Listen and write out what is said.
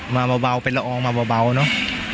มาเบาเป็นละอองมาเบาเนอะ